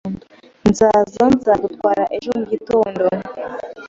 Nzaza nzagutwara ejo mu gitondo